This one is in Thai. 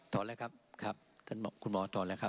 ตอนแล้วครับครับท่านคุณหมอถอนแล้วครับ